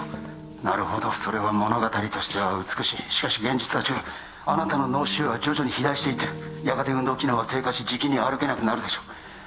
なるほどそれは物語としては美しいしかし現実は違うあなたの脳腫瘍は徐々に肥大していってるやがて運動機能は低下しじきに歩けなくなるでしょう